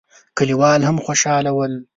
کليوال هم خوشاله ول.